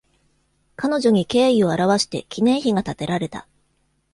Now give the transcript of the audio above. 彼女に敬意を表して記念碑が建てられた。